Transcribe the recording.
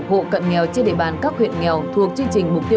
hộ cận nghèo trên địa bàn các huyện nghèo thuộc chương trình